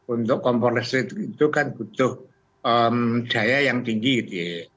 untuk kompor listrik itu kan butuh daya yang tinggi gitu ya